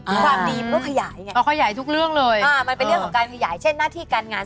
ความดีก็ขยายไงมันเป็นเรื่องของการขยายเช่นหน้าที่การงาน